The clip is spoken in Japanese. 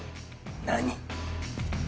何！